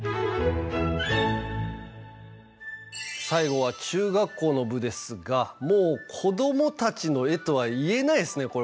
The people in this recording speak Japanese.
最後は中学校の部ですがもう子どもたちの絵とは言えないですね。